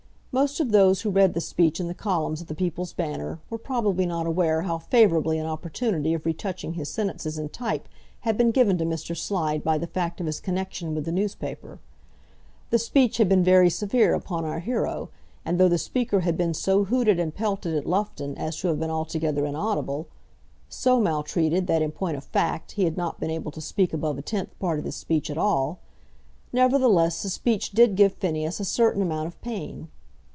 Most of those who read the speech in the columns of the People's Banner were probably not aware how favourable an opportunity of retouching his sentences in type had been given to Mr. Slide by the fact of his connection with the newspaper. The speech had been very severe upon our hero; and though the speaker had been so hooted and pelted at Loughton as to have been altogether inaudible, so maltreated that in point of fact he had not been able to speak above a tenth part of his speech at all, nevertheless the speech did give Phineas a certain amount of pain.